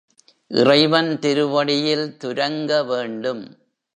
இறைவன் திருவடியில் துரங்க வேண்டும்.